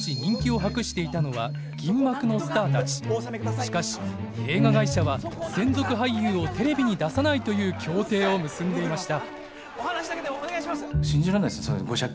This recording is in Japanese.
しかし映画会社は専属俳優をテレビに出さないという協定を結んでいました。